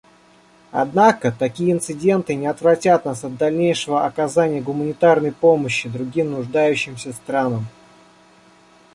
Однако такие инциденты не отвратят нас от дальнейшего оказания гуманитарной помощи другим нуждающимся странам.